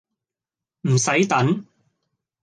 唔洗等